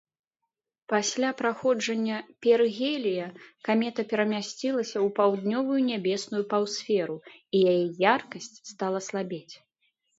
Пасля праходжання перыгелія камета перамясцілася ў паўднёвую нябесную паўсферу, і яе яркасць стала слабець.